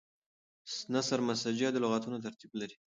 نثر مسجع د لغتونو ترتیب لري.